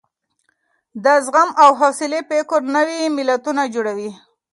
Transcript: د زغم او حوصلې فکر نوي ملتونه جوړوي.